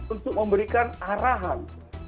untuk memberikan arahan